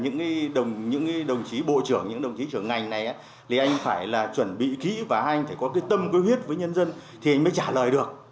những đồng chí bộ trưởng những đồng chí trưởng ngành này thì anh phải là chuẩn bị kỹ và anh phải có cái tâm quyết với nhân dân thì anh mới trả lời được